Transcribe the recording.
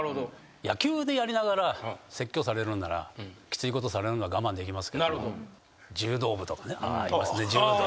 野球でやりながら説教されるんならきついことされるのは我慢できますけど。